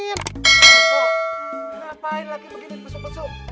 pok kenapa lagi begini pesuk pesuk